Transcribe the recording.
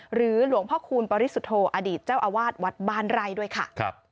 หรือหลวงพ่อคูณปริสุทธโธอดีตเจ้าอาวาสวัดบ้านไร่ด้วยค่ะ